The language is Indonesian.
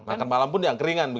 makan malam pun di angkringan